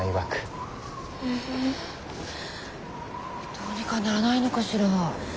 どうにかならないのかしら。